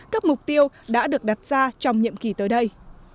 các mục tiêu đã được đặt ra trong nhiệm kỳ tới đây